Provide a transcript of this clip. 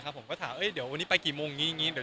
ก็ฝากติดตามุ์ด้วย